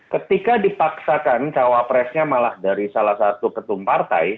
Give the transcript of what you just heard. ketika dipaksakan cawapresnya malah dari salah satu ketum partai